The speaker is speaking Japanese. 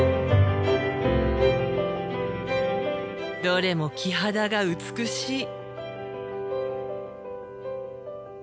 どれも木肌が美しい。